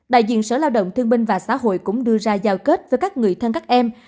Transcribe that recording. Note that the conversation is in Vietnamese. đại diện sở lao động thương binh và xã hội cũng đưa ra giao kết với các người thân các em